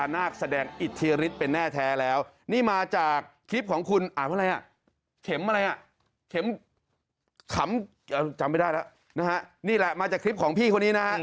นี่แหละมาจากคลิปของพี่คนนี้นะฮะ